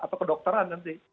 atau kedokteran nanti